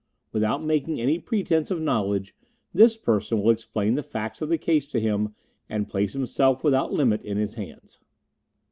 Without making any pretence of knowledge, this person will explain the facts of the case to him and place himself without limit in his hands."